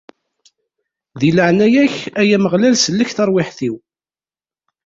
Di leɛnaya-k, ay Ameɣlal, sellek tarwiḥt-iw!